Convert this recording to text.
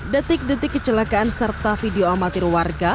detik detik kecelakaan serta video amatir warga